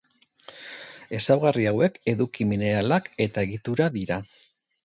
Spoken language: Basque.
Ezaugarri hauek eduki minerala eta egitura dira.